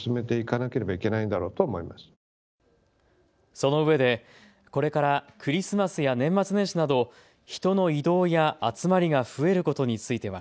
そのうえでクリスマスや年末年始など人の移動や集まりが増えることについては。